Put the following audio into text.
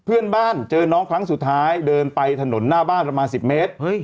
เพื่อนบ้านเจอน้องครั้งสุดท้ายเดินไปถนนหน้าบ้านประมาณ๑๐เมตร